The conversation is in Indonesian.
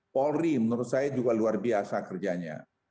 polri menurut saya juga luar biasa kerjanya